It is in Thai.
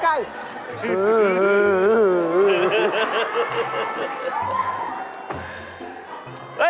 หื้อหื้อหื้อ